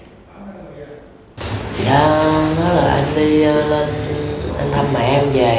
nó nói là anh đi lên thăm mẹ em về nhưng không có tiền về